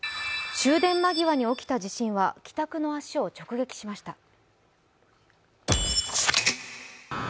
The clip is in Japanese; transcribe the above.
終電間際に起きた地震は帰宅の足を直撃しました。